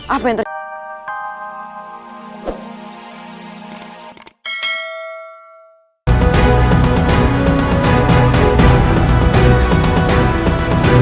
apa yang terjadi